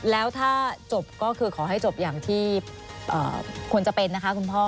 แล้วถ้าจบก็คือขอให้จบอย่างที่ควรจะเป็นนะคะคุณพ่อ